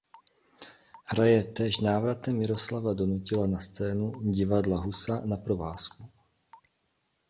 Hra je též návratem Miroslava Donutila na scénu "Divadla Husa na provázku".